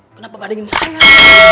kenapa badengin saya